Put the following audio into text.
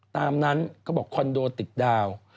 ตามนั้นเขาบอกคอนโดติดดาว